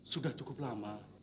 sudah cukup lama